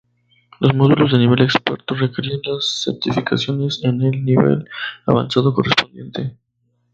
Los módulos del nivel experto requerirán las certificaciones en el nivel avanzado correspondiente.